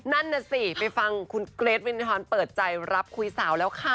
นั่นน่ะสิไปฟังคุณเกรทวินทรเปิดใจรับคุยสาวแล้วค่ะ